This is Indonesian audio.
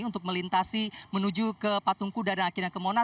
untuk melintasi menuju ke patung kuda dan akina kemona